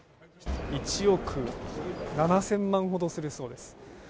１億７０００万円ほどするそうです。